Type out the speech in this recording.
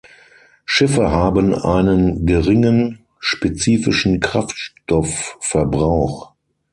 Schiffe haben einen geringen spezifischen Kraftstoffverbrauch.